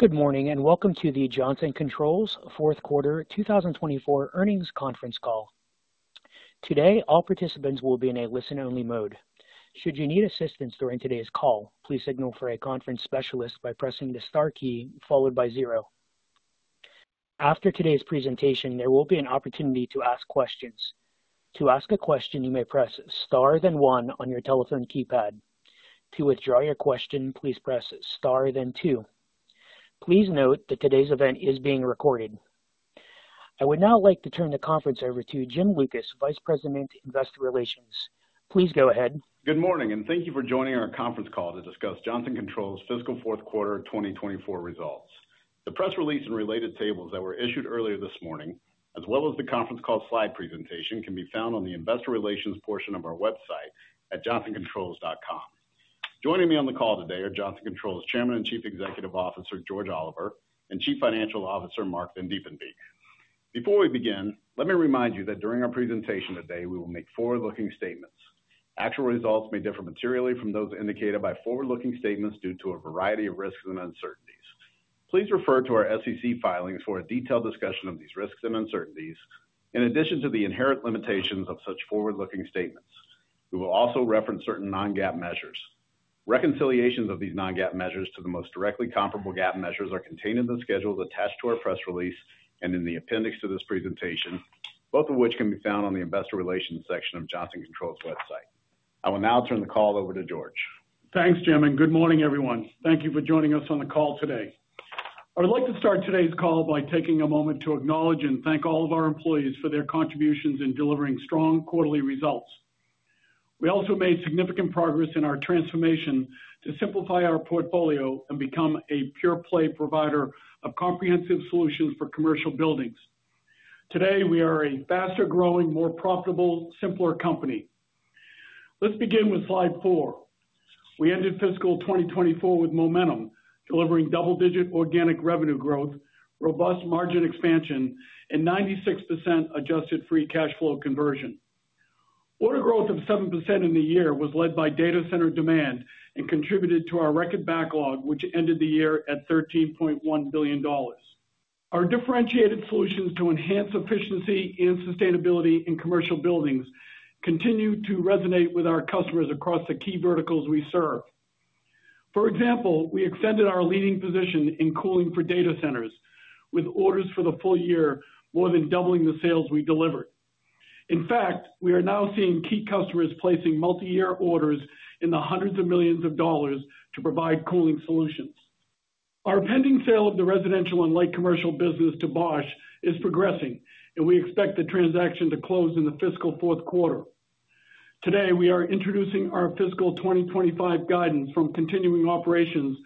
Good morning and welcome to the Johnson Controls Fourth Quarter 2024 Earnings Conference Call. Today, all participants will be in a listen-only mode. Should you need assistance during today's call, please signal for a conference specialist by pressing the star key followed by zero. After today's presentation, there will be an opportunity to ask questions. To ask a question, you may press star then one on your telephone keypad. To withdraw your question, please press star then two. Please note that today's event is being recorded. I would now like to turn the conference over to Jim Lucas, Vice President, Investor Relations. Please go ahead. Good morning and thank you for joining our conference call to discuss Johnson Controls' fiscal fourth quarter 2024 results. The press release and related tables that were issued earlier this morning, as well as the conference call slide presentation, can be found on the Investor Relations portion of our website at JohnsonControls.com. Joining me on the call today are Johnson Controls' Chairman and Chief Executive Officer George Oliver and Chief Financial Officer Marc Vandiepenbeeck. Before we begin, let me remind you that during our presentation today, we will make forward-looking statements. Actual results may differ materially from those indicated by forward-looking statements due to a variety of risks and uncertainties. Please refer to our SEC filings for a detailed discussion of these risks and uncertainties, in addition to the inherent limitations of such forward-looking statements. We will also reference certain non-GAAP measures. Reconciliations of these non-GAAP measures to the most directly comparable GAAP measures are contained in the schedules attached to our press release and in the appendix to this presentation, both of which can be found on the Investor Relations section of Johnson Controls' website. I will now turn the call over to George. Thanks, Jim, and good morning, everyone. Thank you for joining us on the call today. I would like to start today's call by taking a moment to acknowledge and thank all of our employees for their contributions in delivering strong quarterly results. We also made significant progress in our transformation to simplify our portfolio and become a pure-play provider of comprehensive solutions for commercial buildings. Today, we are a faster-growing, more profitable, simpler company. Let's begin with slide four. We ended fiscal 2024 with momentum, delivering double-digit organic revenue growth, robust margin expansion, and 96% adjusted free cash flow conversion. Order growth of 7% in the year was led by data center demand and contributed to our record backlog, which ended the year at $13.1 billion. Our differentiated solutions to enhance efficiency and sustainability in commercial buildings continue to resonate with our customers across the key verticals we serve. For example, we extended our leading position in cooling for data centers, with orders for the full year more than doubling the sales we delivered. In fact, we are now seeing key customers placing multi-year orders in the hundreds of millions of dollars to provide cooling solutions. Our pending sale of the Residential and Light Commercial business to Bosch is progressing, and we expect the transaction to close in the fiscal fourth quarter. Today, we are introducing our fiscal 2025 guidance from continuing operations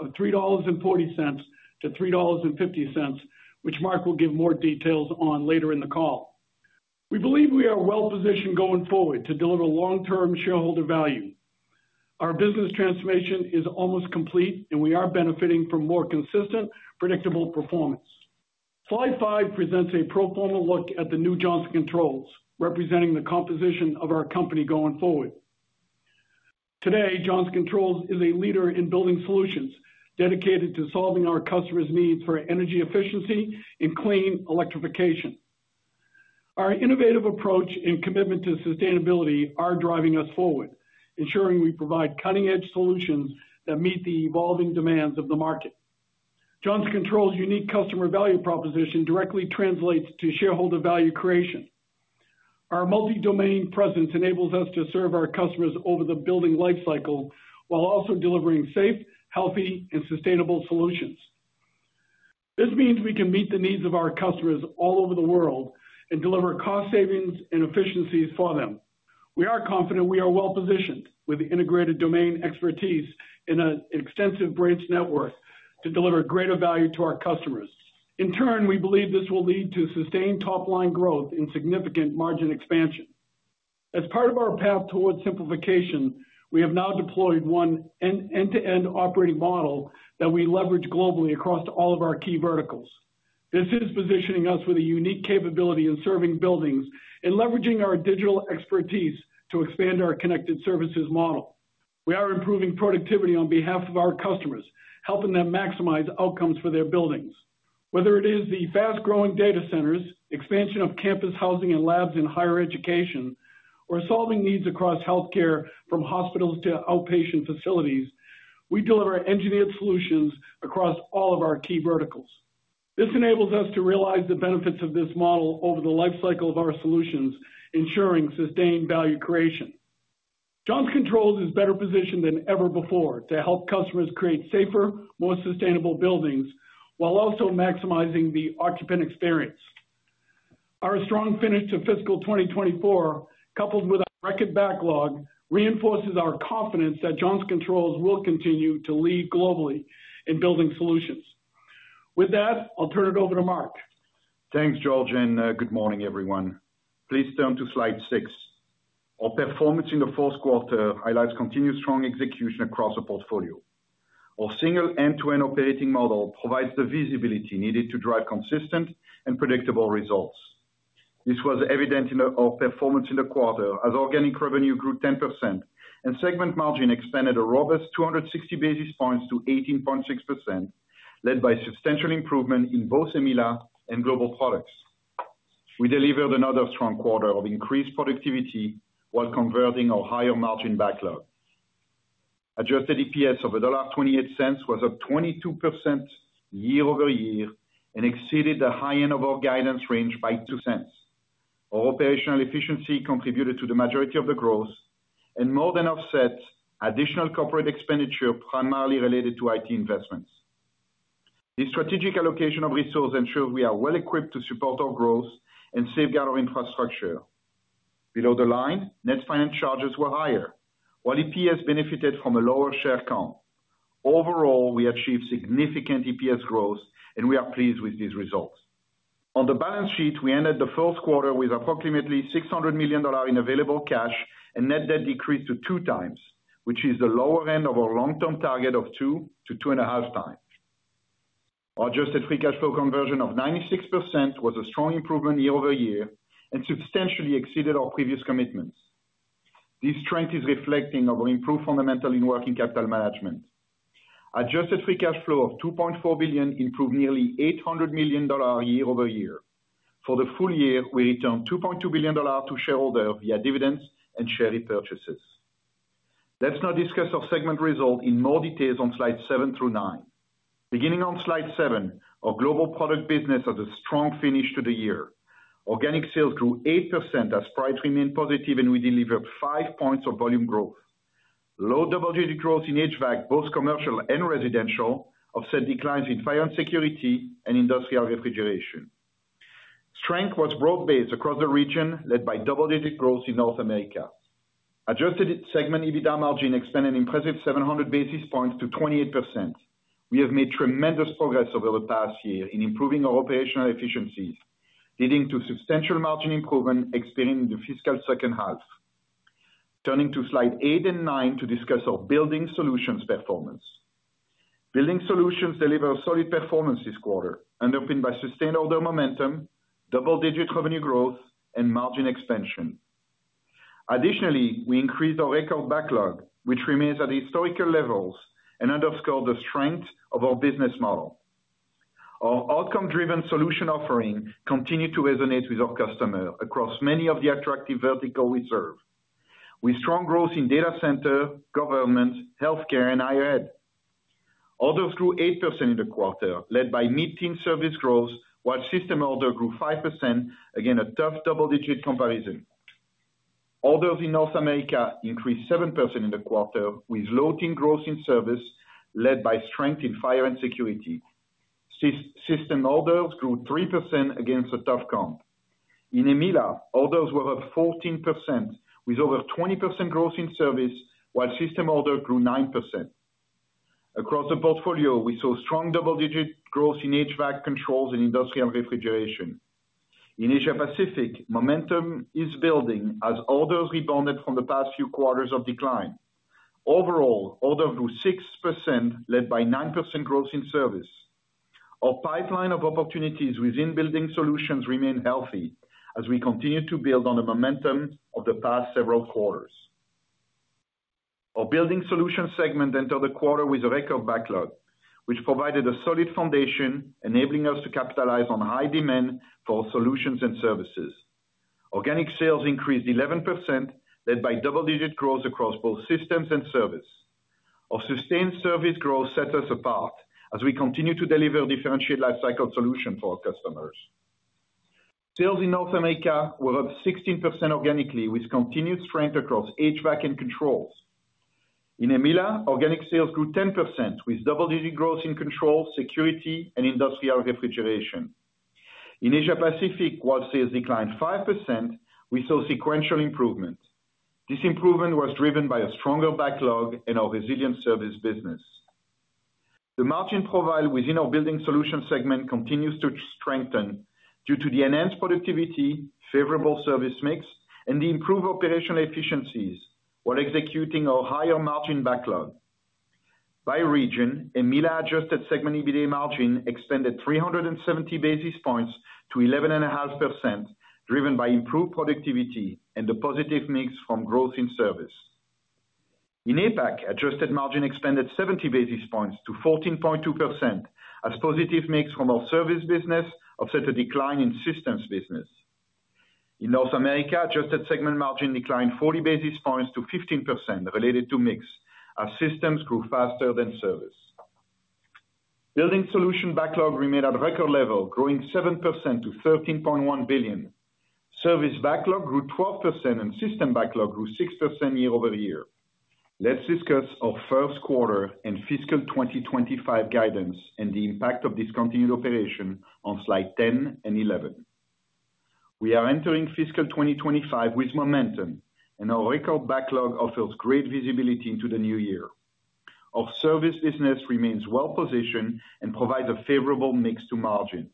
of $3.40-$3.50, which Marc will give more details on later in the call. We believe we are well-positioned going forward to deliver long-term shareholder value. Our business transformation is almost complete, and we are benefiting from more consistent, predictable performance. Slide five presents a pro forma look at the new Johnson Controls, representing the composition of our company going forward. Today, Johnson Controls is a leader in building solutions dedicated to solving our customers' needs for energy efficiency and clean electrification. Our innovative approach and commitment to sustainability are driving us forward, ensuring we provide cutting-edge solutions that meet the evolving demands of the market. Johnson Controls' unique customer value proposition directly translates to shareholder value creation. Our multi-domain presence enables us to serve our customers over the building life cycle while also delivering safe, healthy, and sustainable solutions. This means we can meet the needs of our customers all over the world and deliver cost savings and efficiencies for them. We are confident we are well-positioned with integrated domain expertise and an extensive branch network to deliver greater value to our customers. In turn, we believe this will lead to sustained top-line growth and significant margin expansion. As part of our path towards simplification, we have now deployed one end-to-end operating model that we leverage globally across all of our key verticals. This is positioning us with a unique capability in serving buildings and leveraging our digital expertise to expand our connected services model. We are improving productivity on behalf of our customers, helping them maximize outcomes for their buildings. Whether it is the fast-growing data centers, expansion of campus housing and labs in higher education, or solving needs across healthcare from hospitals to outpatient facilities, we deliver engineered solutions across all of our key verticals. This enables us to realize the benefits of this model over the life cycle of our solutions, ensuring sustained value creation. Johnson Controls is better positioned than ever before to help customers create safer, more sustainable buildings while also maximizing the occupant experience. Our strong finish to fiscal 2024, coupled with our record backlog, reinforces our confidence that Johnson Controls will continue to lead globally in building solutions. With that, I'll turn it over to Marc. Thanks, George, and good morning, everyone. Please turn to slide six. Our performance in the fourth quarter highlights continued strong execution across the portfolio. Our single end-to-end operating model provides the visibility needed to drive consistent and predictable results. This was evident in our performance in the quarter as organic revenue grew 10% and segment margin expanded a robust 260 basis points to 18.6%, led by substantial improvement in both EMEALA and global products. We delivered another strong quarter of increased productivity while converting our higher margin backlog. Adjusted EPS of $1.28 was up 22% year over year and exceeded the high end of our guidance range by. Our operational efficiency contributed to the majority of the growth and more than offsets additional corporate expenditure primarily related to IT investments. This strategic allocation of resources ensures we are well-equipped to support our growth and safeguard our infrastructure. Below the line, net finance charges were higher, while EPS benefited from a lower share count. Overall, we achieved significant EPS growth, and we are pleased with these results. On the balance sheet, we ended the fourth quarter with approximately $600 million in available cash and net debt decreased to two times, which is the lower end of our long-term target of two to two and a half times. Our adjusted free cash flow conversion of 96% was a strong improvement year over year and substantially exceeded our previous commitments. This strength is reflecting our improved fundamentals in working capital management. Adjusted free cash flow of $2.4 billion improved nearly $800 million year over year. For the full year, we returned $2.2 billion to shareholders via dividends and share repurchases. Let's now discuss our segment results in more details on slides seven through nine. Beginning on slide seven, our Global Products business has a strong finish to the year. Organic sales grew 8% as price remained positive, and we delivered five points of volume growth. Low double-digit growth in HVAC, both commercial and residential, offset declines in fire and security and industrial refrigeration. Strength was broad-based across the region, led by double-digit growth in North America. Adjusted segment EBITDA margin expanded an impressive 700 basis points to 28%. We have made tremendous progress over the past year in improving our operational efficiencies, leading to substantial margin improvement experienced in the fiscal second half. Turning to slide eight and nine to discuss our Building Solutions performance. Building Solutions deliver solid performance this quarter, underpinned by sustained order momentum, double-digit revenue growth, and margin expansion. Additionally, we increased our record backlog, which remains at historical levels and underscores the strength of our business model. Our outcome-driven solution offering continued to resonate with our customers across many of the attractive verticals we serve, with strong growth in data center, government, healthcare, and higher ed. Orders grew 8% in the quarter, led by mid-teen service growth, while system order grew 5% against a tough double-digit comparison. Orders in North America increased 7% in the quarter, with low-teen growth in service, led by strength in fire and security. System orders grew 3% against a tough comp. In ML, orders were up 14%, with over 20% growth in service, while system order grew 9%. Across the portfolio, we saw strong double-digit growth in HVAC controls and industrial refrigeration. In Asia-Pacific, momentum is building as orders rebounded from the past few quarters of decline. Overall, order grew 6%, led by 9% growth in service. Our pipeline of opportunities within Building Solutions remained healthy as we continued to build on the momentum of the past several quarters. Our Building Solutions segment entered the quarter with a record backlog, which provided a solid foundation, enabling us to capitalize on high demand for solutions and services. Organic sales increased 11%, led by double-digit growth across both systems and service. Our sustained service growth sets us apart as we continue to deliver differentiated life cycle solutions for our customers. Sales in North America were up 16% organically, with continued strength across HVAC and controls. In ML, organic sales grew 10%, with double-digit growth in controls, security, and industrial refrigeration. In Asia-Pacific, while sales declined 5%, we saw sequential improvement. This improvement was driven by a stronger backlog and our resilient service business. The margin profile within our Building Solutions segment continues to strengthen due to the enhanced productivity, favorable service mix, and the improved operational efficiencies while executing our higher margin backlog. By region, ML adjusted segment EBITDA margin expanded 370 basis points to 11.5%, driven by improved productivity and the positive mix from growth in service. In APAC, adjusted margin expanded 70 basis points to 14.2% as positive mix from our service business offset a decline in systems business. In North America, adjusted segment margin declined 40 basis points to 15% related to mix as systems grew faster than service. Building Solutions backlog remained at record level, growing 7% to $13.1 billion. Service backlog grew 12%, and system backlog grew 6% year over year. Let's discuss our first quarter and fiscal 2025 guidance and the impact of discontinued operation on slide 10 and 11. We are entering fiscal 2025 with momentum, and our record backlog offers great visibility into the new year. Our service business remains well-positioned and provides a favorable mix to margins.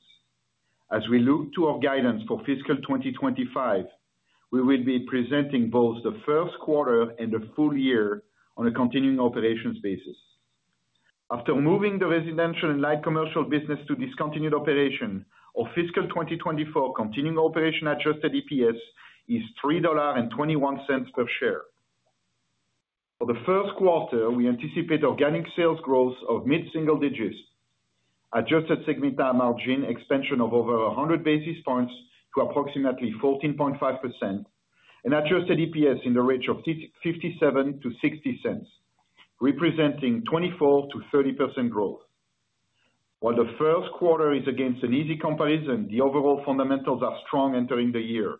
As we look to our guidance for fiscal 2025, we will be presenting both the first quarter and the full year on a continuing operations basis. After moving the residential and light commercial business to discontinued operation, our fiscal 2024 continuing operation adjusted EPS is $3.21 per share. For the first quarter, we anticipate organic sales growth of mid-single digits, adjusted segment margin expansion of over 100 basis points to approximately 14.5%, and adjusted EPS in the range of $0.57-$0.60, representing 24%-30% growth. While the first quarter is against an easy comparison, the overall fundamentals are strong entering the year.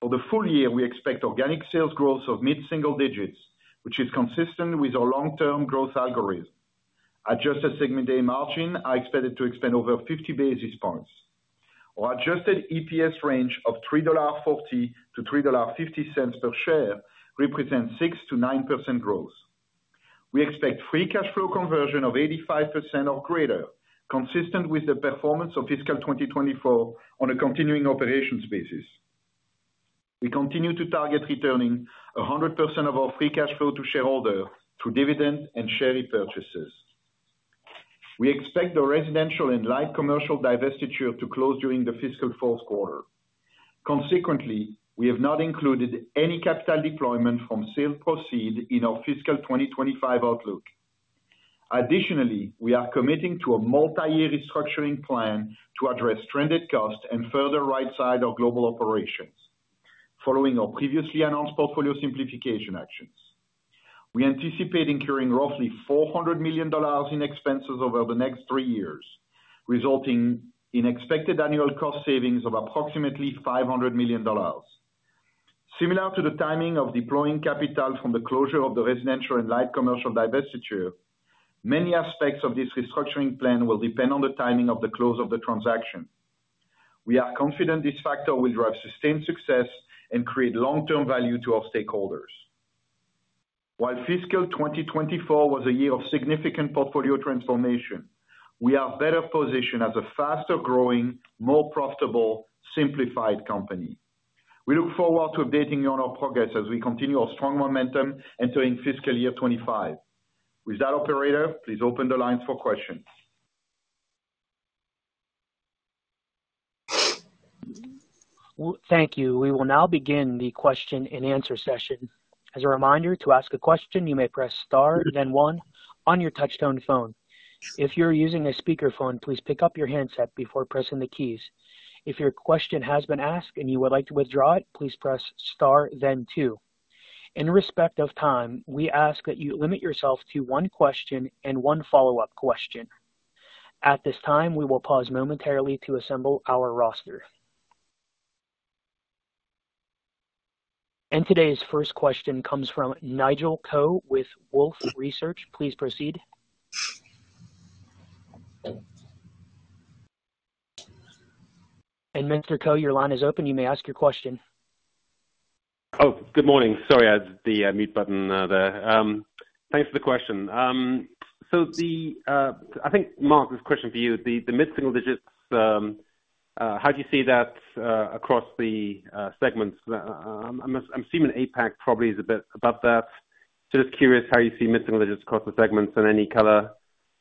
For the full year, we expect organic sales growth of mid-single digits, which is consistent with our long-term growth algorithm. Adjusted segment margin is expected to expand over 50 basis points. Our adjusted EPS range of $3.40-$3.50 per share represents 6%-9% growth. We expect free cash flow conversion of 85% or greater, consistent with the performance of fiscal 2024 on a continuing operations basis. We continue to target returning 100% of our free cash flow to shareholders through dividends and share repurchases. We expect the residential and light commercial divestiture to close during the fiscal fourth quarter. Consequently, we have not included any capital deployment from sales proceeds in our fiscal 2025 outlook. Additionally, we are committing to a multi-year restructuring plan to address stranded costs and further right-size our global operations, following our previously announced portfolio simplification actions. We anticipate incurring roughly $400 million in expenses over the next three years, resulting in expected annual cost savings of approximately $500 million. Similar to the timing of deploying capital from the closure of the residential and light commercial divestiture, many aspects of this restructuring plan will depend on the timing of the close of the transaction. We are confident this factor will drive sustained success and create long-term value to our stakeholders. While fiscal 2024 was a year of significant portfolio transformation, we are better positioned as a faster-growing, more profitable, simplified company. We look forward to updating you on our progress as we continue our strong momentum entering fiscal year 2025. With that, operator, please open the lines for questions. Thank you. We will now begin the question and answer session. As a reminder, to ask a question, you may press star and then one on your touch-tone phone. If you're using a speakerphone, please pick up your handset before pressing the keys. If your question has been asked and you would like to withdraw it, please press star then two. In respect of time, we ask that you limit yourself to one question and one follow-up question. At this time, we will pause momentarily to assemble our roster. And today's first question comes from Nigel Coe with Wolfe Research. Please proceed. And Mr. Coe, your line is open. You may ask your question. Oh, good morning. Sorry, I had the mute button there. Thanks for the question. So I think, Marc, this question for you. The mid-single digits, how do you see that across the segments? I'm assuming APAC probably is a bit above that. So just curious how you see mid-single digits across the segments and any color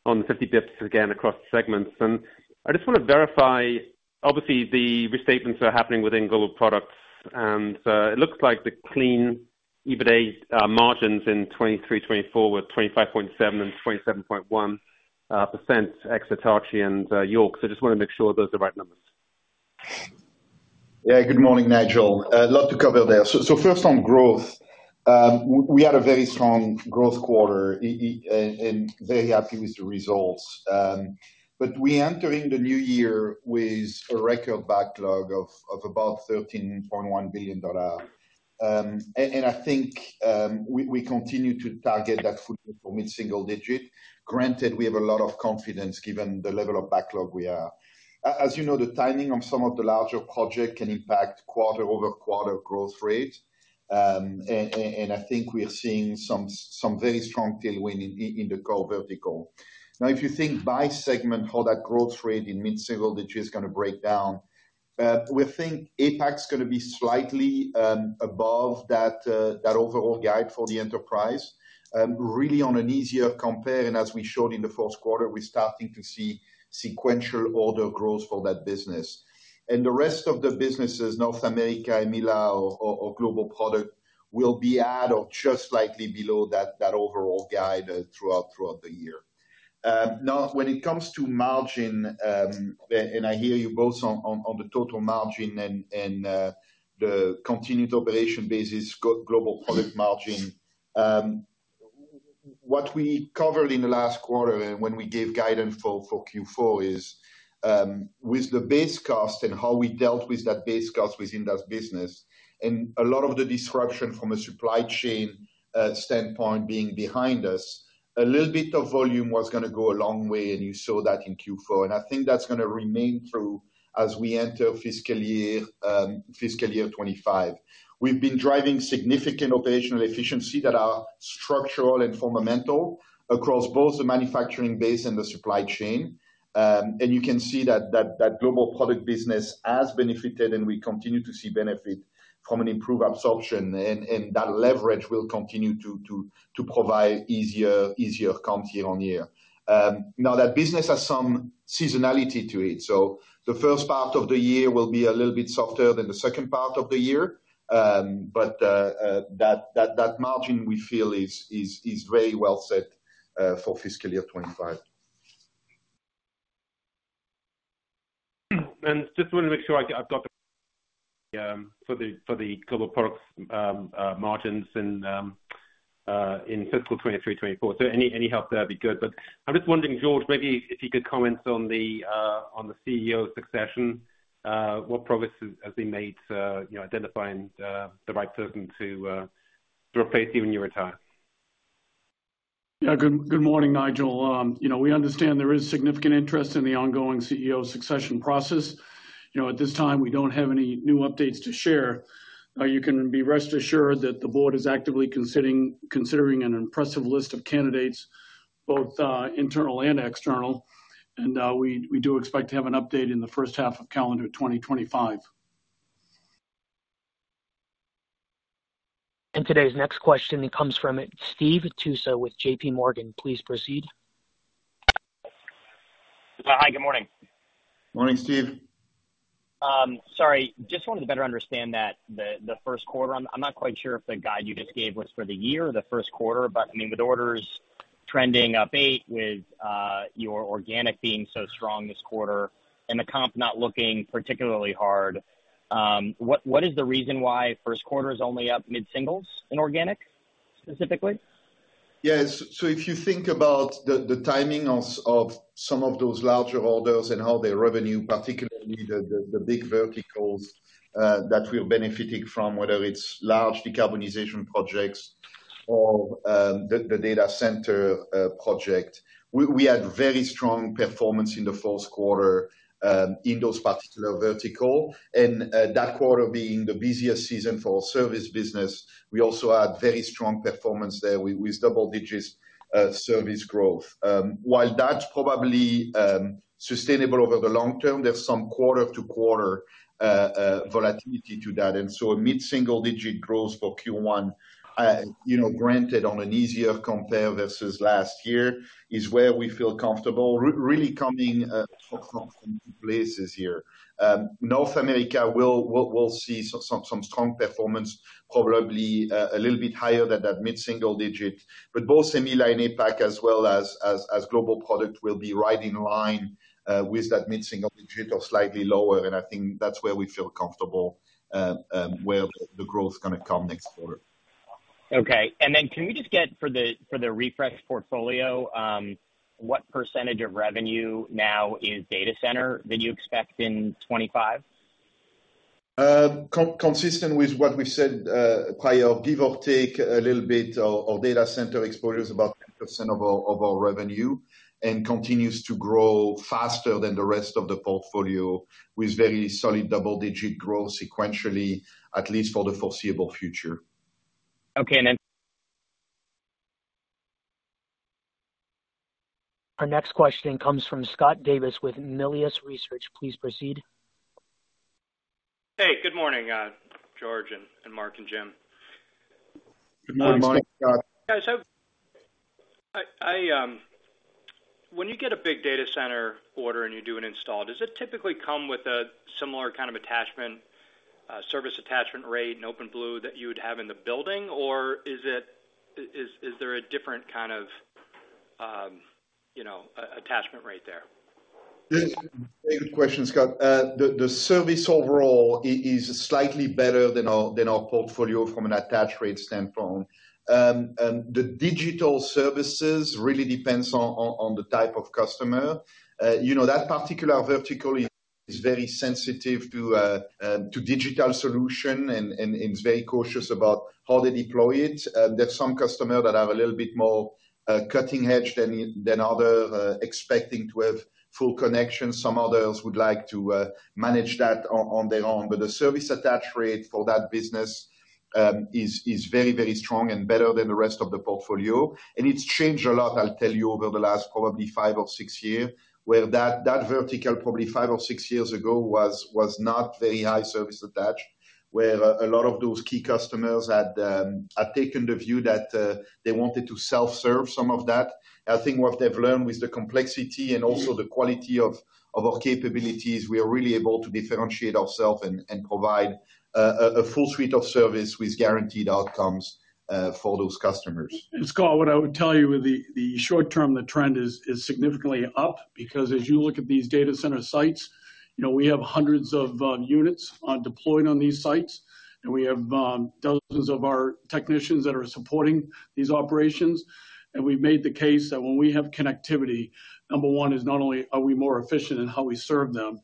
on the 50 basis points again across the segments. And I just want to verify, obviously, the restatements are happening within Global Products. And it looks like the clean EBITDA margins in 2023/2024 were 25.7% and 27.1% ex-Hitachi and York. So I just want to make sure those are the right numbers. Yeah, good morning, Nigel. Lots to cover there. So first on growth, we had a very strong growth quarter and very happy with the results. But we are entering the new year with a record backlog of about $13.1 billion. And I think we continue to target that for mid-single digit. Granted, we have a lot of confidence given the level of backlog we are. As you know, the timing of some of the larger projects can impact quarter-over-quarter growth rate. And I think we're seeing some very strong tailwind in the core vertical. Now, if you think by segment, how that growth rate in mid-single digit is going to break down, we think APAC is going to be slightly above that overall guide for the enterprise, really on an easier compare. And as we showed in the fourth quarter, we're starting to see sequential order growth for that business. And the rest of the businesses, North America, ML, or Global Product, will be at or just slightly below that overall guide throughout the year. Now, when it comes to margin, and I hear you both on the total margin and the continuing operations basis, Global Product margin, what we covered in the last quarter and when we gave guidance for Q4 is with the BAS cost and how we dealt with that BAS cost within that business. And a lot of the disruption from a supply chain standpoint being behind us, a little bit of volume was going to go a long way, and you saw that in Q4. And I think that's going to remain true as we enter fiscal year 2025. We've been driving significant operational efficiency that are structural and fundamental across both the manufacturing base and the supply chain. You can see that the Global Products business has benefited, and we continue to see benefit from an improved absorption. That leverage will continue to provide easier comps year on year. Now, that business has some seasonality to it. The first part of the year will be a little bit softer than the second part of the year. That margin, we feel, is very well set for fiscal year 2025. And just want to make sure I've got the Global Products margins in fiscal 2023/2024. So any help there would be good. But I'm just wondering, George, maybe if you could comment on the CEO succession, what progress has been made identifying the right person to replace you when you retire. Yeah, good morning, Nigel. We understand there is significant interest in the ongoing CEO succession process. At this time, we don't have any new updates to share. You can be rest assured that the board is actively considering an impressive list of candidates, both internal and external. And we do expect to have an update in the first half of calendar 2025. And today's next question, it comes from Steve Tusa with J.P. Morgan. Please proceed. Hi, good morning. Morning, Steve. Sorry, just wanted to better understand that the first quarter. I'm not quite sure if the guide you just gave was for the year or the first quarter. But I mean, with orders trending up eight, with your organic being so strong this quarter and the comp not looking particularly hard, what is the reason why first quarter is only up mid-singles in organic specifically? Yeah, so if you think about the timing of some of those larger orders and how their revenue, particularly the big verticals that we're benefiting from, whether it's large decarbonization projects or the data center project, we had very strong performance in the fourth quarter in those particular verticals, and that quarter being the busiest season for our service business, we also had very strong performance there with double-digit service growth. While that's probably sustainable over the long term, there's some quarter-to-quarter volatility to that, and so mid-single digit growth for Q1, granted, on an easier compare versus last year, is where we feel comfortable really coming from two places here. North America will see some strong performance, probably a little bit higher than that mid-single digit, but both ML and APAC, as well as global product, will be right in line with that mid-single digit or slightly lower. I think that's where we feel comfortable where the growth is going to come next quarter. Okay. And then can we just get for the refresh portfolio, what percentage of revenue now is data center that you expect in 2025? Consistent with what we've said prior, give or take a little bit, our data center exposure is about 10% of our revenue and continues to grow faster than the rest of the portfolio with very solid double-digit growth sequentially, at least for the foreseeable future. Okay. Our next question comes from Scott Davis with Melius Research. Please proceed. Hey, good morning, George and Marc and Jim. Good morning, Scott. Yeah. When you get a big data center order and you do an install, does it typically come with a similar kind of service attachment rate and OpenBlue that you would have in the building, or is there a different kind of attachment rate there? Very good question, Scott. The service overall is slightly better than our portfolio from an attach rate standpoint. The digital services really depends on the type of customer. That particular vertical is very sensitive to digital solutions and is very cautious about how they deploy it. There are some customers that have a little bit more cutting edge than others, expecting to have full connections. Some others would like to manage that on their own. But the service attach rate for that business is very, very strong and better than the rest of the portfolio. And it's changed a lot, I'll tell you, over the last probably five or six years, where that vertical, probably five or six years ago, was not very high service attached, where a lot of those key customers had taken the view that they wanted to self-serve some of that. I think what they've learned with the complexity and also the quality of our capabilities, we are really able to differentiate ourselves and provide a full suite of service with guaranteed outcomes for those customers. Scott, what I would tell you, in the short term, the trend is significantly up because as you look at these data center sites, we have hundreds of units deployed on these sites. And we have dozens of our technicians that are supporting these operations. And we've made the case that when we have connectivity, number one is not only are we more efficient in how we serve them,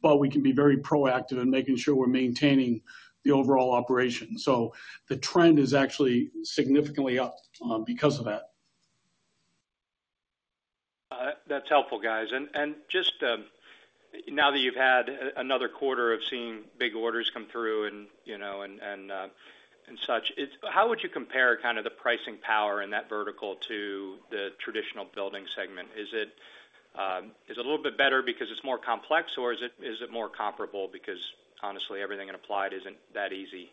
but we can be very proactive in making sure we're maintaining the overall operation. So the trend is actually significantly up because of that. That's helpful, guys. And just now that you've had another quarter of seeing big orders come through and such, how would you compare kind of the pricing power in that vertical to the traditional building segment? Is it a little bit better because it's more complex, or is it more comparable because, honestly, everything in Applied isn't that easy?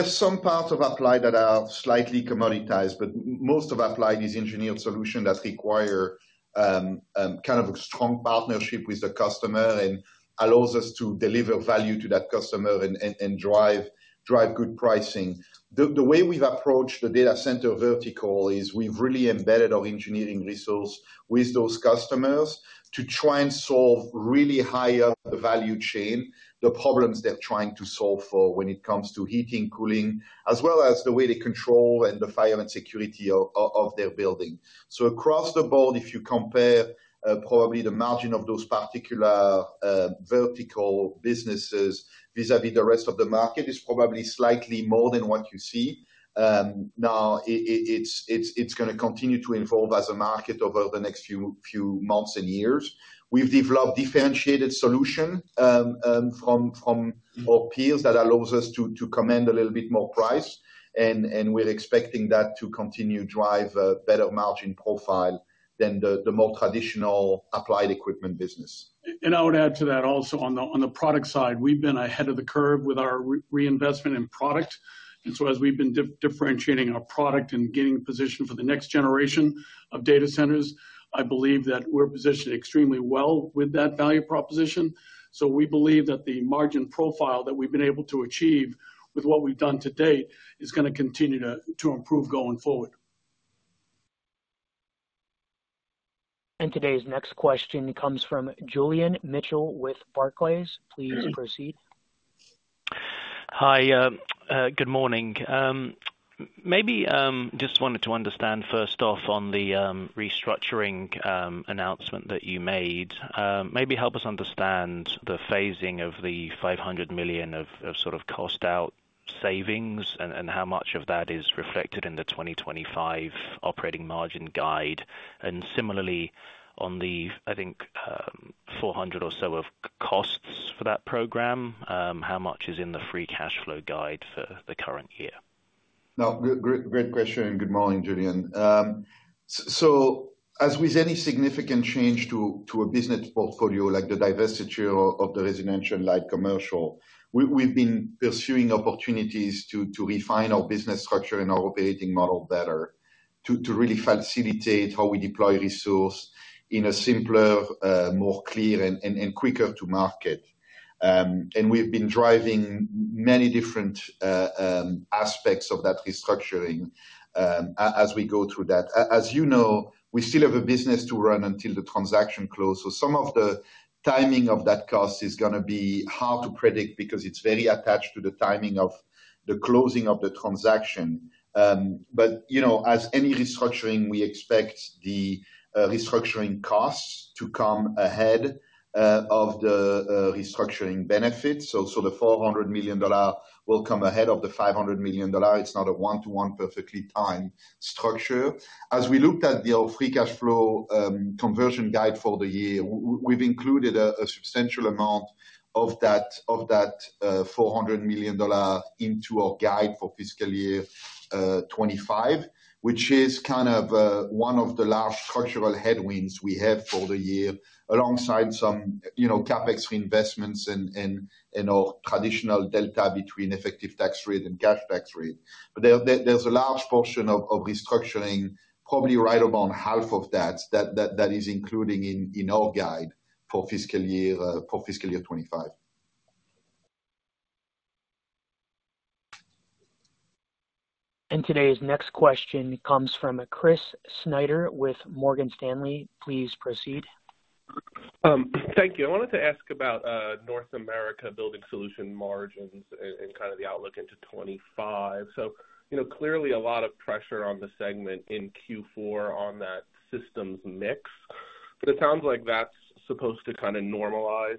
There's some parts of Applied that are slightly commoditized. Most of Applied is engineered solutions that require kind of a strong partnership with the customer and allows us to deliver value to that customer and drive good pricing. The way we've approached the data center vertical is we've really embedded our engineering resource with those customers to try and solve really high up the value chain, the problems they're trying to solve for when it comes to heating, cooling, as well as the way they control and the fire and security of their building. Across the board, if you compare probably the margin of those particular vertical businesses vis-à-vis the rest of the market, it's probably slightly more than what you see. Now, it's going to continue to evolve as a market over the next few months and years. We've developed differentiated solutions from our peers that allows us to command a little bit more price, and we're expecting that to continue to drive a better margin profile than the more traditional Applied equipment business. And I would add to that also on the product side, we've been ahead of the curve with our reinvestment in product. And so as we've been differentiating our product and getting a position for the next generation of data centers, I believe that we're positioned extremely well with that value proposition. So we believe that the margin profile that we've been able to achieve with what we've done to date is going to continue to improve going forward. Today's next question comes from Julian Mitchell with Barclays. Please proceed. Hi, good morning. Maybe just wanted to understand first off on the restructuring announcement that you made. Maybe help us understand the phasing of the $500 million of sort of cost-out savings and how much of that is reflected in the 2025 operating margin guide. And similarly, on the, I think, 400 or so of costs for that program, how much is in the free cash flow guide for the current year? No, great question and good morning, Julian, so as with any significant change to a business portfolio like the diversity of the residential light commercial, we've been pursuing opportunities to refine our business structure and our operating model better to really facilitate how we deploy resources in a simpler, more clear, and quicker-to-market, and we've been driving many different aspects of that restructuring as we go through that. As you know, we still have a business to run until the transaction closes, so some of the timing of that cost is going to be hard to predict because it's very attached to the timing of the closing of the transaction, but as any restructuring, we expect the restructuring costs to come ahead of the restructuring benefits, so the $400 million will come ahead of the $500 million. It's not a one-to-one perfectly timed structure. As we looked at the free cash flow conversion guide for the year, we've included a substantial amount of that $400 million into our guide for fiscal year 2025, which is kind of one of the large structural headwinds we have for the year alongside some CapEx reinvestments and our traditional delta between effective tax rate and cash tax rate. But there's a large portion of restructuring, probably right about half of that, that is included in our guide for fiscal year 2025. Today's next question comes from Chris Snyder with Morgan Stanley. Please proceed. Thank you. I wanted to ask about North America Building Solutions margins and kind of the outlook into 25. So clearly, a lot of pressure on the segment in Q4 on that systems mix. But it sounds like that's supposed to kind of normalize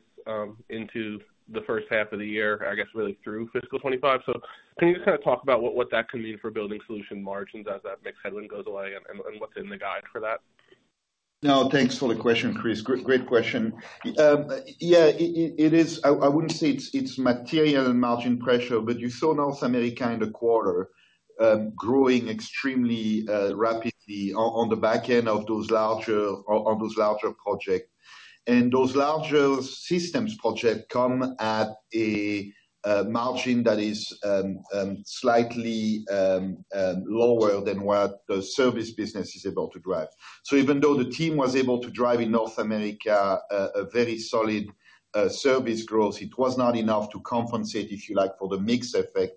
into the first half of the year, I guess, really through fiscal 25. So can you just kind of talk about what that can mean for Building Solutions margins as that mixed headwind goes away and what's in the guide for that? No, thanks for the question, Chris. Great question. Yeah, it is. I wouldn't say it's material margin pressure, but you saw North America in the quarter growing extremely rapidly on the back end of those larger projects. And those larger systems projects come at a margin that is slightly lower than what the service business is able to drive. So even though the team was able to drive in North America a very solid service growth, it was not enough to compensate, if you like, for the mixed effect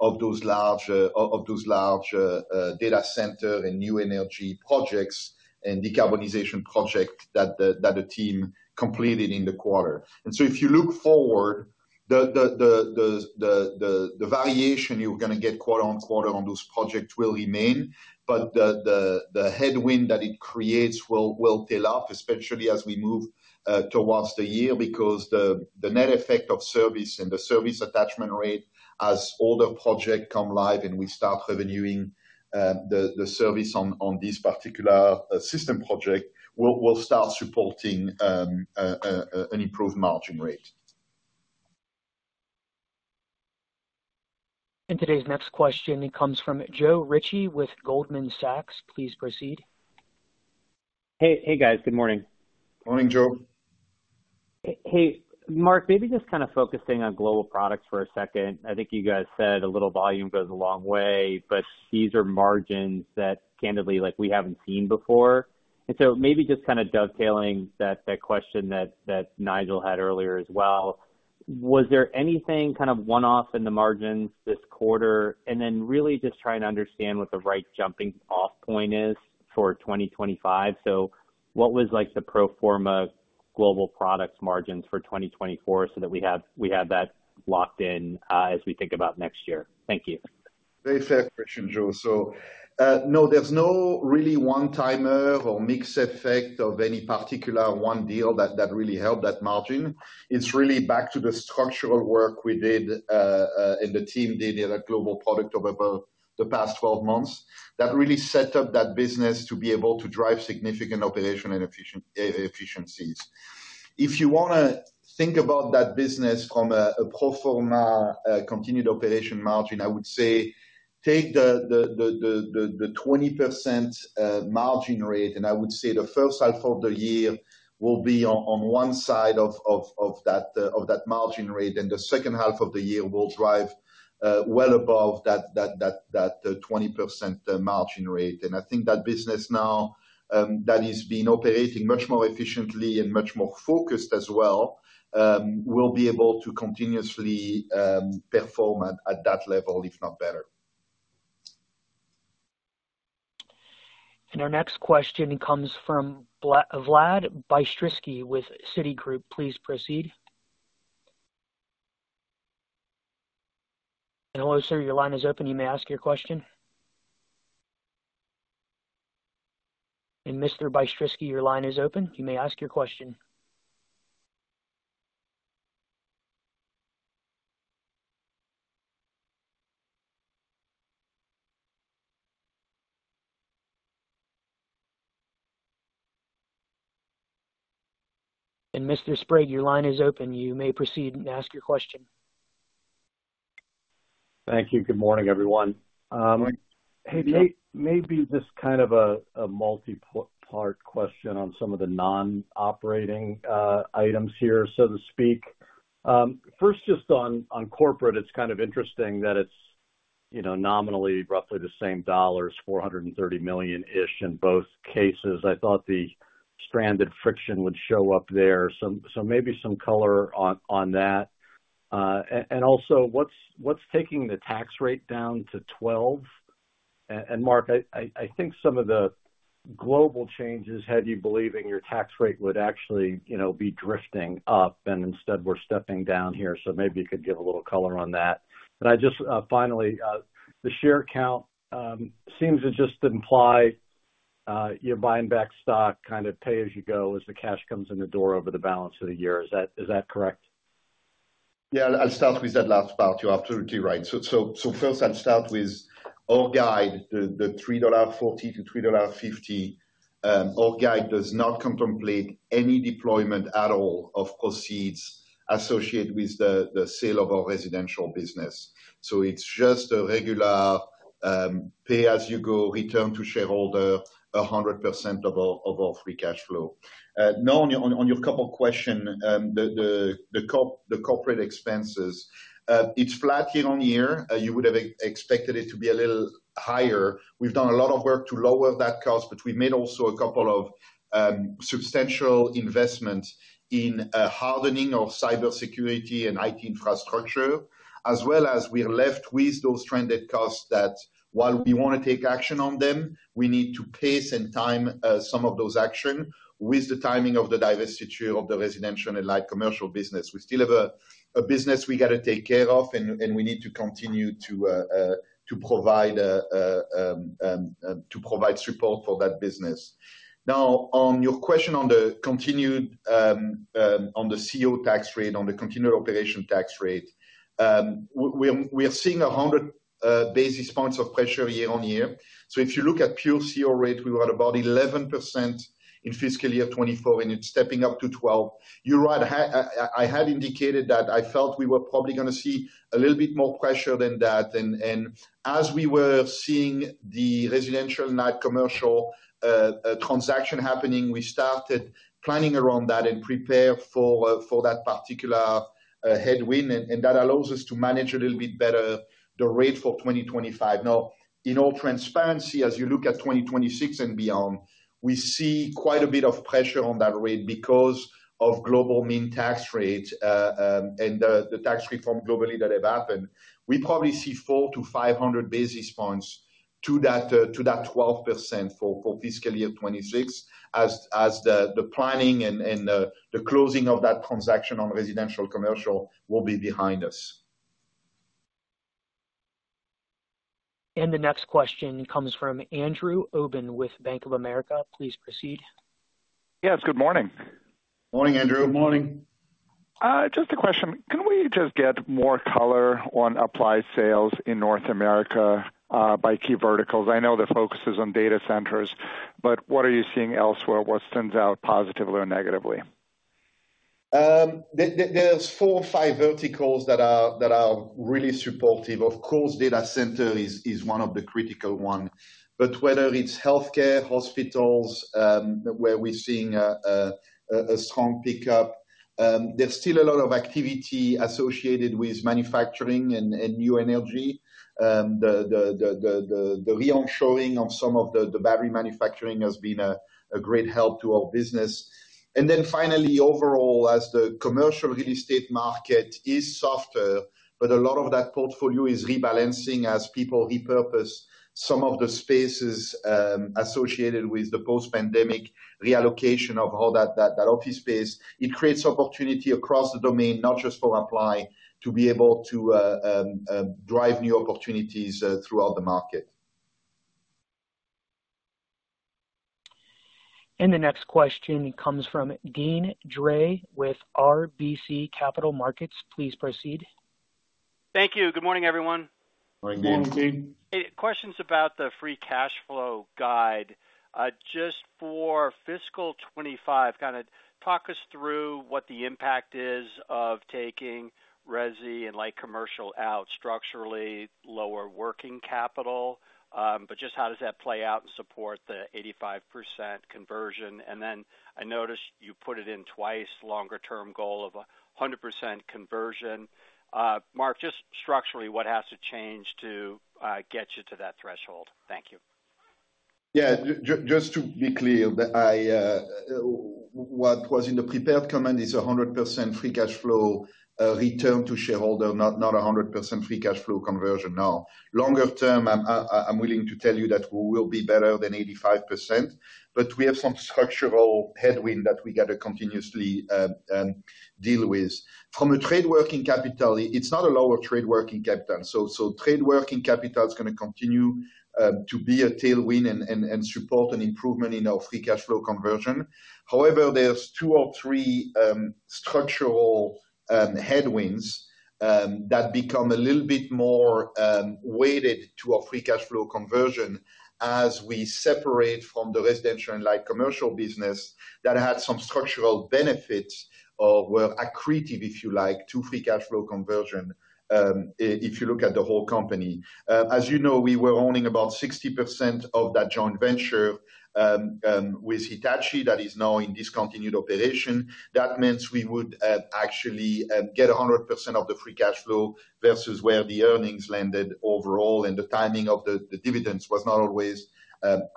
of those large data center and new energy projects and decarbonization projects that the team completed in the quarter. And so if you look forward, the variation you're going to get quarter on quarter on those projects will remain. But the headwind that it creates will pile up, especially as we move towards the year because the net effect of service and the service attachment rate as older projects come live and we start revenuing the service on these particular system projects will start supporting an improved margin rate. Today's next question, it comes from Joe Ritchie with Goldman Sachs. Please proceed. Hey, guys. Good morning. Morning, Joe. Hey, Marc, maybe just kind of focusing on global products for a second. I think you guys said a little volume goes a long way, but these are margins that, candidly, we haven't seen before, and so maybe just kind of dovetailing that question that Nigel had earlier as well. Was there anything kind of one-off in the margins this quarter, and then really just trying to understand what the right jumping-off point is for 2025, so what was the pro forma global products margins for 2024 so that we have that locked in as we think about next year? Thank you. Very fair question, Joe, so no, there's no really one-timer or mixed effect of any particular one deal that really helped that margin. It's really back to the structural work we did and the team did at Global Products over the past 12 months that really set up that business to be able to drive significant operational efficiencies. If you want to think about that business from a pro forma continuing operations margin, I would say take the 20% margin rate, and I would say the first half of the year will be on one side of that margin rate, and the second half of the year will drive well above that 20% margin rate, and I think that business now that is being operating much more efficiently and much more focused as well will be able to continuously perform at that level, if not better. And our next question, it comes from Vlad Bystricky with Citigroup. Please proceed. Hello, sir. Your line is open. You may ask your question. And Mr. Bystricky, your line is open. You may ask your question. And Mr. Bystricky, your line is open. You may proceed and ask your question. Thank you. Good morning, everyone. Morning. Hey, uncertain. Maybe just kind of a multi-part question on some of the non-operating items here, so to speak. First, just on corporate, it's kind of interesting that it's nominally roughly the same dollars, $430 million-ish in both cases. I thought the stranded friction would show up there. So maybe some color on that. And also, what's taking the tax rate down to 12%? And Marc, I think some of the global changes, how do you believe your tax rate would actually be drifting up? And instead, we're stepping down here. So maybe you could give a little color on that. And just finally, the share count seems to just imply you're buying back stock, kind of pay as you go as the cash comes in the door over the balance of the year. Is that correct? Yeah. I'll start with that last part. You're absolutely right. So first, I'll start with our guide, the $3.40-$3.50. Our guide does not contemplate any deployment at all of proceeds associated with the sale of our residential business. So it's just a regular pay as you go, return to shareholder, 100% of our free cash flow. Now, on your couple of questions, the corporate expenses, it's flat year on year. You would have expected it to be a little higher. We've done a lot of work to lower that cost, but we've made also a couple of substantial investments in hardening of cybersecurity and IT infrastructure, as well as we're left with those stranded costs that while we want to take action on them, we need to pace and time some of those actions with the timing of the divestiture of the residential and light commercial business. We still have a business we got to take care of, and we need to continue to provide support for that business. Now, on your question on the CO tax rate, on the continuing operations tax rate, we're seeing 100 basis points of pressure year on year. So if you look at pure CO rate, we were at about 11% in fiscal year 2024, and it's stepping up to 12%. You're right. I had indicated that I felt we were probably going to see a little bit more pressure than that. And as we were seeing the residential and light commercial transaction happening, we started planning around that and prepared for that particular headwind. And that allows us to manage a little bit better the rate for 2025. Now, in all transparency, as you look at 2026 and beyond, we see quite a bit of pressure on that rate because of global minimum tax rate and the tax reform globally that have happened. We probably see 400-500 basis points to that 12% for fiscal year 2026 as the planning and the closing of that transaction on residential commercial will be behind us. The next question comes from Andrew Obin with Bank of America. Please proceed. Yes, good morning. Morning, Andrew. Good morning. Just a question. Can we just get more color on applied sales in North America by key verticals? I know the focus is on data centers, but what are you seeing elsewhere? What stands out positively or negatively? There's four or five verticals that are really supportive. Of course, data center is one of the critical ones. But whether it's healthcare, hospitals, where we're seeing a strong pickup, there's still a lot of activity associated with manufacturing and new energy. The re-onshoring of some of the battery manufacturing has been a great help to our business. And then finally, overall, as the commercial real estate market is softer, but a lot of that portfolio is rebalancing as people repurpose some of the spaces associated with the post-pandemic reallocation of all that office space, it creates opportunity across the domain, not just for apply, to be able to drive new opportunities throughout the market. The next question comes from Deane Dray with RBC Capital Markets. Please proceed. Thank you. Good morning, everyone. Morning, Deane. Questions about the free cash flow guide. Just for fiscal 2025, kind of talk us through what the impact is of taking Resi and light commercial out, structurally lower working capital, but just how does that play out and support the 85% conversion? And then I noticed you put it in twice, longer-term goal of 100% conversion. Marc, just structurally, what has to change to get you to that threshold? Thank you. Yeah. Just to be clear, what was in the prepared comment is 100% free cash flow return to shareholder, not 100% free cash flow conversion. Now, longer term, I'm willing to tell you that we will be better than 85%, but we have some structural headwind that we got to continuously deal with. From a trade working capital, it's not a lower trade working capital. So trade working capital is going to continue to be a tailwind and support an improvement in our free cash flow conversion. However, there's two or three structural headwinds that become a little bit more weighted to our free cash flow conversion as we separate from the residential and light commercial business that had some structural benefits or were accretive, if you like, to free cash flow conversion if you look at the whole company. As you know, we were owning about 60% of that joint venture with Hitachi that is now in discontinued operation. That means we would actually get 100% of the free cash flow versus where the earnings landed overall. And the timing of the dividends was not always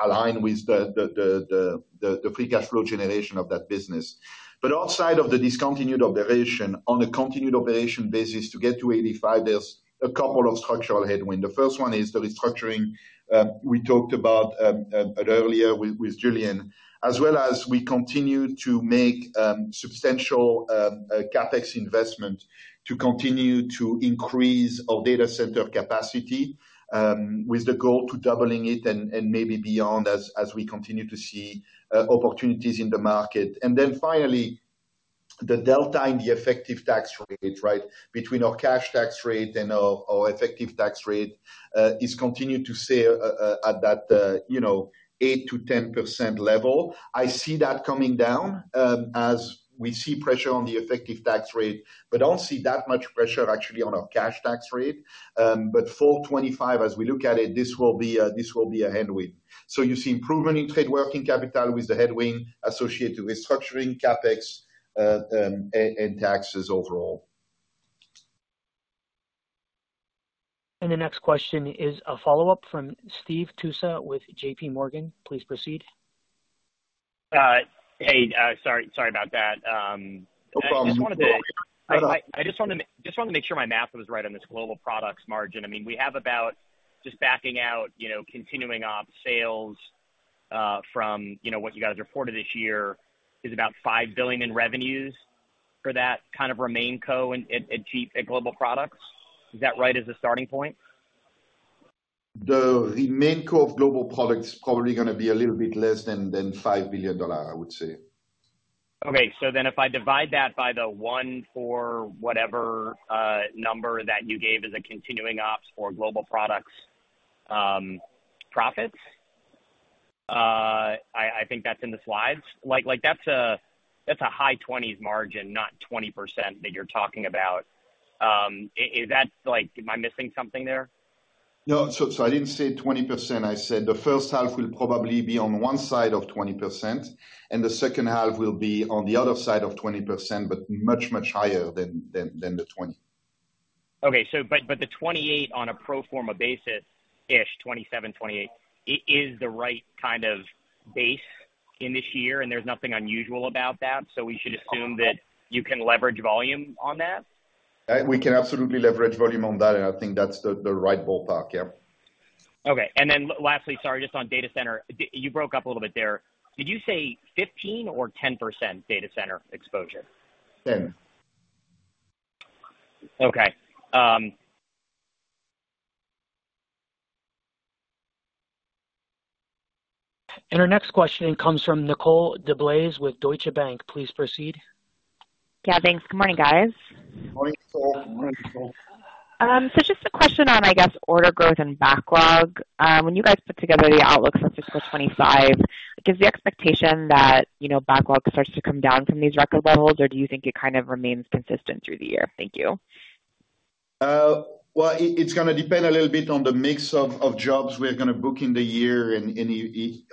aligned with the free cash flow generation of that business. But outside of the discontinued operation, on a continued operation basis to get to 85, there are a couple of structural headwinds. The first one is the restructuring we talked about earlier with Julian, as well as we continue to make substantial CapEx investment to continue to increase our data center capacity with the goal to doubling it and maybe beyond as we continue to see opportunities in the market. And then finally, the delta in the effective tax rate, right, between our cash tax rate and our effective tax rate is continued to stay at that 8%-10% level. I see that coming down as we see pressure on the effective tax rate, but I don't see that much pressure actually on our cash tax rate. But for 2025, as we look at it, this will be a headwind. So you see improvement in trade working capital with the headwind associated with structuring CapEx and taxes overall. And the next question is a follow-up from Steve Tusa with J.P. Morgan. Please proceed. Hey, sorry about that. No problem. I just wanted to make sure my math was right on this Global Products margin. I mean, we have about just backing out continuing ops sales from what you guys reported this year is about $5 billion in revenues for that kind of remaining core at Global Products. Is that right as a starting point? The remaining book of Global Products is probably going to be a little bit less than $5 billion, I would say. Okay, so then if I divide that by the one for whatever number that you gave as a continuing ops for Global Products profits, I think that's in the slides. That's a high 20s margin, not 20% that you're talking about. Am I missing something there? No. So I didn't say 20%. I said the first half will probably be on one side of 20%, and the second half will be on the other side of 20%, but much, much higher than the 20. Okay. But the 28 on a pro forma basis, ish, 27, 28, is the right kind of base in this year, and there's nothing unusual about that. So we should assume that you can leverage volume on that. We can absolutely leverage volume on that, and I think that's the right ballpark, yeah. Okay. And then lastly, sorry, just on data center, you broke up a little bit there. Did you say 15% or 10% data center exposure? 10. Okay. Our next question comes from Nicole DeBlase with Deutsche Bank. Please proceed. Yeah, thanks. Good morning, guys. Morning, Nicole. Morning, Nicole. So just a question on, I guess, order growth and backlog. When you guys put together the outlook for fiscal 2025, is the expectation that backlog starts to come down from these record levels, or do you think it kind of remains consistent through the year? Thank you. It's going to depend a little bit on the mix of jobs we're going to book in the year and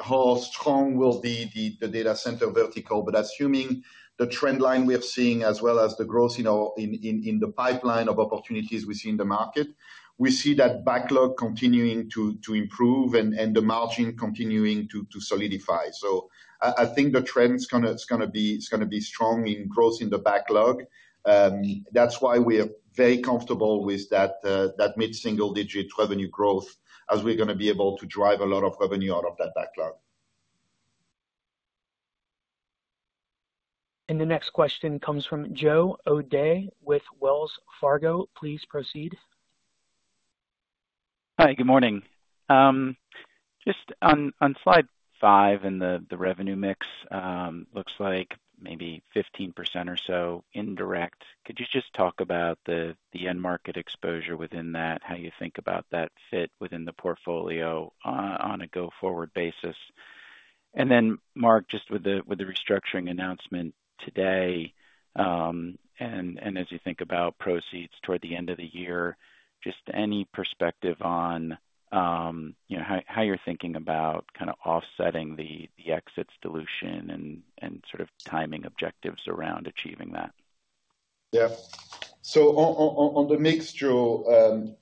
how strong will be the data center vertical. Assuming the trend line we're seeing as well as the growth in the pipeline of opportunities we see in the market, we see that backlog continuing to improve and the margin continuing to solidify. I think the trend is going to be strong in growth in the backlog. That's why we're very comfortable with that mid-single-digit revenue growth as we're going to be able to drive a lot of revenue out of that backlog. The next question comes from Joe O'Dea with Wells Fargo. Please proceed. Hi, good morning. Just on slide five in the revenue mix, looks like maybe 15% or so indirect. Could you just talk about the end market exposure within that, how you think about that fit within the portfolio on a go-forward basis? And then, Marc, just with the restructuring announcement today and as you think about proceeds toward the end of the year, just any perspective on how you're thinking about kind of offsetting the exit dilution and sort of timing objectives around achieving that? Yeah. So on the mix, Joe,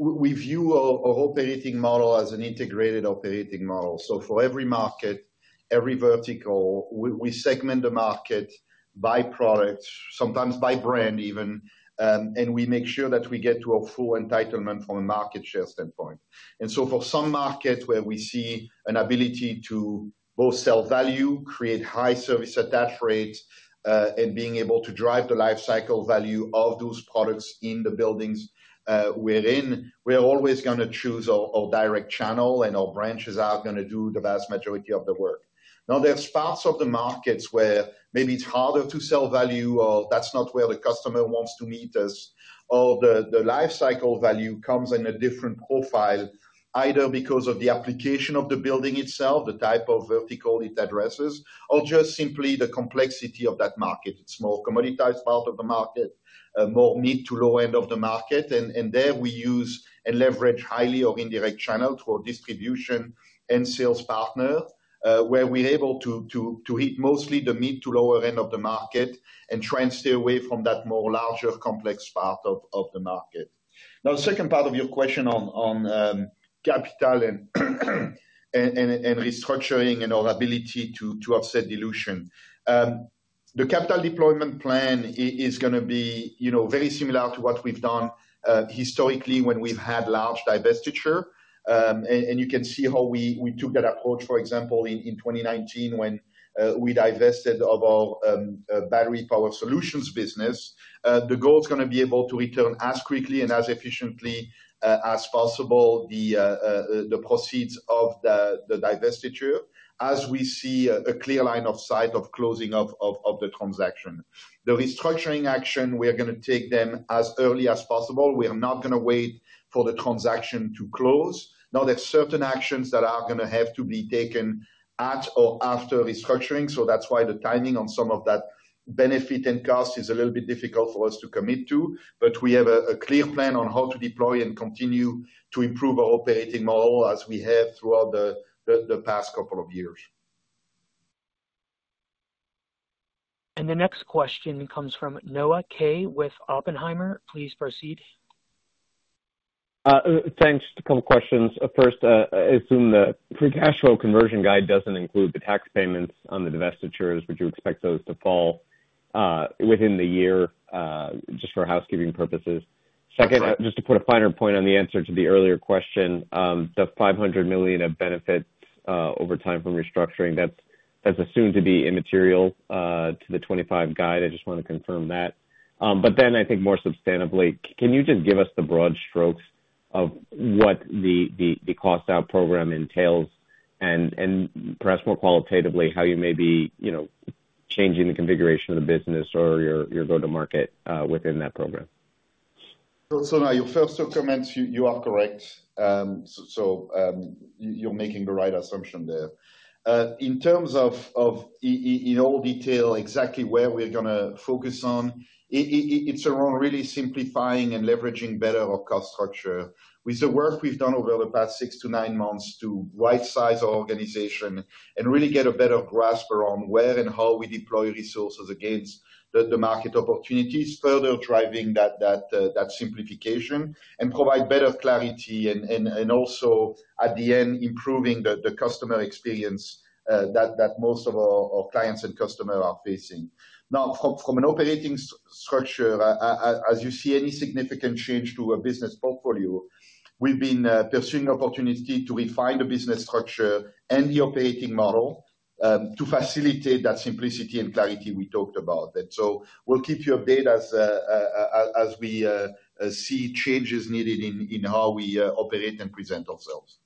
we view our operating model as an integrated operating model. So for every market, every vertical, we segment the market by product, sometimes by brand even, and we make sure that we get to our full entitlement from a market share standpoint. And so for some markets where we see an ability to both sell value, create high service attach rates, and being able to drive the lifecycle value of those products in the buildings we're in, we're always going to choose our direct channel, and our branches are going to do the vast majority of the work. Now, there's parts of the markets where maybe it's harder to sell value or that's not where the customer wants to meet us, or the lifecycle value comes in a different profile, either because of the application of the building itself, the type of vertical it addresses, or just simply the complexity of that market. It's more commoditized part of the market, more mid to low end of the market. And there we use and leverage highly our indirect channel through our distribution and sales partner where we're able to hit mostly the mid to lower end of the market and try and stay away from that more larger complex part of the market. Now, second part of your question on capital and restructuring and our ability to offset dilution, the capital deployment plan is going to be very similar to what we've done historically when we've had large divestiture. And you can see how we took that approach, for example, in 2019 when we divested of our battery power solutions business. The goal is going to be able to return as quickly and as efficiently as possible the proceeds of the divestiture as we see a clear line of sight of closing of the transaction. The restructuring action, we're going to take them as early as possible. We're not going to wait for the transaction to close. Now, there are certain actions that are going to have to be taken at or after restructuring. So that's why the timing on some of that benefit and cost is a little bit difficult for us to commit to. But we have a clear plan on how to deploy and continue to improve our operating model as we have throughout the past couple of years. The next question comes from Noah Kaye with Oppenheimer. Please proceed. Thanks. A couple of questions. First, I assume the free cash flow conversion guide doesn't include the tax payments on the divestitures. Would you expect those to fall within the year just for housekeeping purposes? Second, just to put a finer point on the answer to the earlier question, the $500 million of benefits over time from restructuring, that's assumed to be immaterial to the 2025 guide. I just want to confirm that. But then I think more substantively, can you just give us the broad strokes of what the cost-out program entails and perhaps more qualitatively how you may be changing the configuration of the business or your go-to-market within that program? So now, your first two comments, you are correct. So you're making the right assumption there. In terms of in all detail, exactly where we're going to focus on, it's around really simplifying and leveraging better our cost structure with the work we've done over the past six to nine months to right-size our organization and really get a better grasp around where and how we deploy resources against the market opportunities, further driving that simplification and provide better clarity and also, at the end, improving the customer experience that most of our clients and customers are facing. Now, from an operating structure, as you see any significant change to our business portfolio, we've been pursuing opportunity to refine the business structure and the operating model to facilitate that simplicity and clarity we talked about. We'll keep you updated as we see changes needed in how we operate and present ourselves.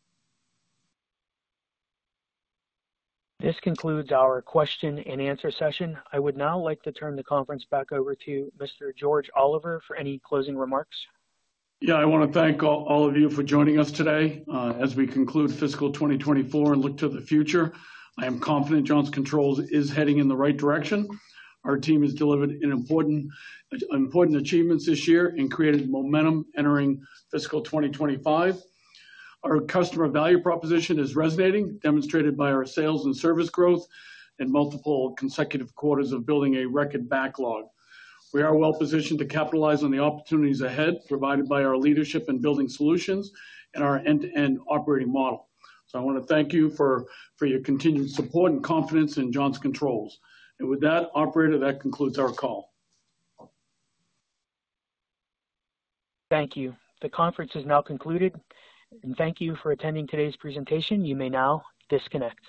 This concludes our question and answer session. I would now like to turn the conference back over to Mr. George Oliver for any closing remarks. Yeah, I want to thank all of you for joining us today. As we conclude fiscal 2024 and look to the future, I am confident Johnson Controls is heading in the right direction. Our team has delivered important achievements this year and created momentum entering fiscal 2025. Our customer value proposition is resonating, demonstrated by our sales and service growth in multiple consecutive quarters of building a record backlog. We are well positioned to capitalize on the opportunities ahead provided by our leadership in building solutions and our end-to-end operating model. So I want to thank you for your continued support and confidence in Johnson Controls. And with that, operator, that concludes our call. Thank you. The conference is now concluded. And thank you for attending today's presentation. You may now disconnect.